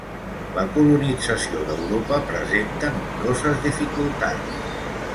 La colonització d'Europa presenta nombroses dificultats.